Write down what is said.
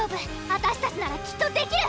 あたしたちならきっとできる！